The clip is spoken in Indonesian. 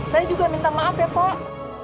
saya juga minta maaf ya pak